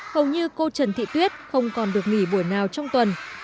hầu như cô trần thị tuyết không còn được nghỉ buổi nào trong tuần